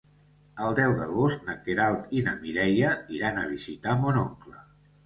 El deu d'agost na Queralt i na Mireia iran a visitar mon oncle.